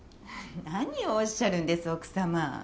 何をおっしゃるんです奥さま。